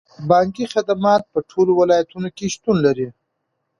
بانکي خدمات په ټولو ولایتونو کې شتون لري.